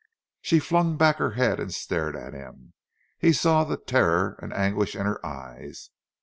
She flung back her head and stared at him, and he saw the terror and anguish in her eyes.